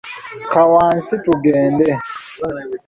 Kka wansi tugende.